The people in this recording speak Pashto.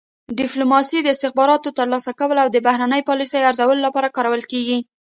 ډیپلوماسي د استخباراتو ترلاسه کولو او د بهرنۍ پالیسۍ ارزولو لپاره کارول کیږي